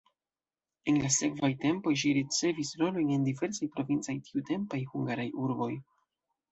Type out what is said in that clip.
En la sekvaj tempoj ŝi ricevis rolojn en diversaj provincaj tiutempaj hungaraj urboj.